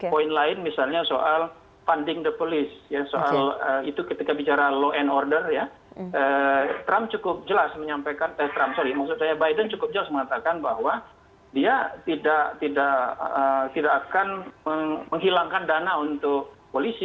poin lain misalnya soal funding the police soal itu ketika bicara law and order ya trump cukup jelas menyampaikan eh trump sorry maksud saya biden cukup jelas mengatakan bahwa dia tidak akan menghilangkan dana untuk polisi